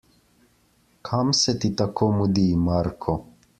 Kam se ti tako mudi, Marko?